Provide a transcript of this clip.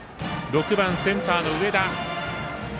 ６番、センターの上田。